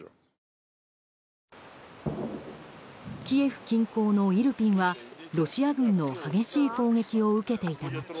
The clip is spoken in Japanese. キエフ近郊のイルピンはロシア軍の激しい攻撃を受けていた街。